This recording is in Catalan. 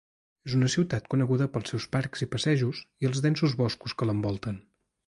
És una ciutat coneguda pels seus parcs i passejos i els densos boscos que l'envolten.